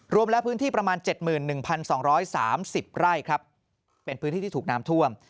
รวมแล้วพื้นที่ประมาณ๗๑๒๓๐ไร่ครับเป็นพื้นที่ที่ถูกน้ำท่วม